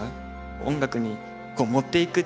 音楽に持っていく力